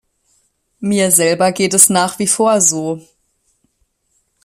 Mir selber geht es nach wie vor so.